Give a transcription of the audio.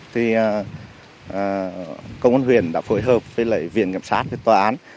thì công an huyện đã phối hợp với viện kiểm sát tòa án